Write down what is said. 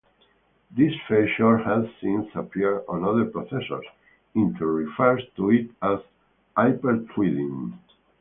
This feature has since appeared on other processors; Intel refers to it as HyperThreading.